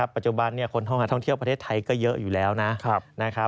ปัจจุบันนี้คนท่องเที่ยวประเทศไทยก็เยอะอยู่แล้วนะ